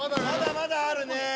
まだまだあるね。